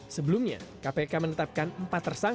sebelumnya kpk menetapkan empat tersangka